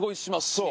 そう。